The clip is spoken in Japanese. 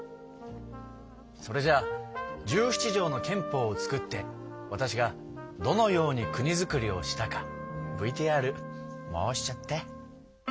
それじゃあ十七条の憲法をつくってわたしがどのように国づくりをしたかＶＴＲ回しちゃって。